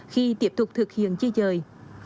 khi tiếp tục thực hiện di dời